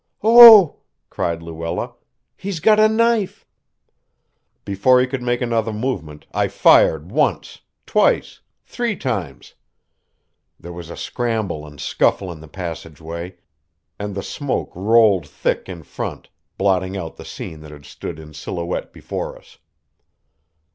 "Oh!" cried Luella. "He's got a knife!" Before he could make another movement I fired once, twice, three times. There was a scramble and scuffle in the passageway, and the smoke rolled thick in front, blotting out the scene that had stood in silhouette before us.